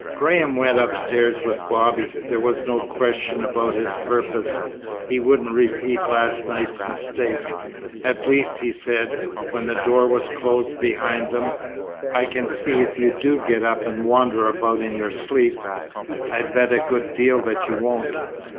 Graham went upstairs with Bobby. There was no question about his purpose. He wouldn't repeat last night's mistake. "At least," he said, when the door was closed behind them, "I can see if you do get up and wander about in your sleep. I'd bet a good deal that you won't."